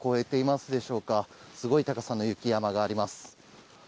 すごい高さの雪山があります。